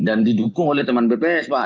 dan didukung oleh teman bps pak